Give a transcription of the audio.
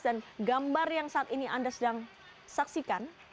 dan gambar yang saat ini anda sedang saksikan